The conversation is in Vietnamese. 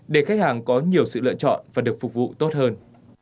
để khách hàng có nhiều sự lựa chọn và được phục vụ tốt hơn